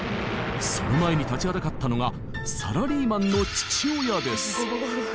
その前に立ちはだかったのがサラリーマンの父親です。